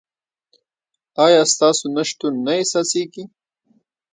ایا ستاسو نشتون نه احساسیږي؟